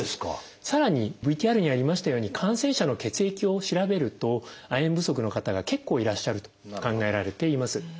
さらにＶＴＲにありましたように感染者の血液を調べると亜鉛不足の方が結構いらっしゃると考えられています。